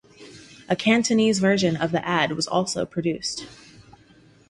A Cantonese version of the ad was also produced.